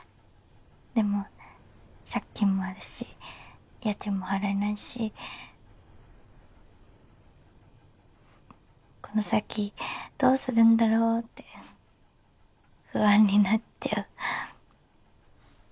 でも借金もあるし家賃も払えないしこの先どうするんだろうって不安になっちゃう。